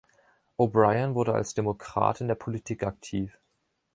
O'Brien wurde als Demokrat in der Politik aktiv.